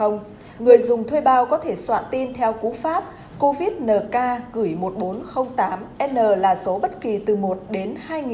người dùng thuê bao có thể soạn tin theo cú pháp covid nk gửi một nghìn bốn trăm linh tám n là số bất kỳ từ một đến hai nghìn